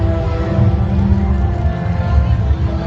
สโลแมคริปราบาล